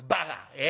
ええ？